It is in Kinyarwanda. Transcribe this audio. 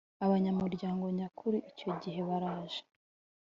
abanyamuryango nyakuri Icyo gihe baraje